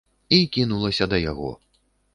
І кінулася да яго.